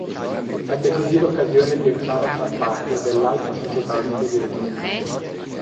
Ebbe così l'occasione di entrare a far parte dell'alta società svedese.